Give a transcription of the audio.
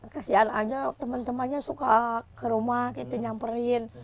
kasihan aja temen temennya suka ke rumah nyamperin